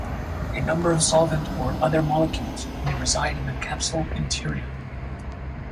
A number of solvent or other molecules may reside in the capsule interior.